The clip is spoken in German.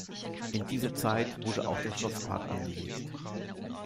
In dieser Zeit wurde auch der Schlosspark angelegt.